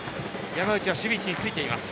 山内は守備位置についています。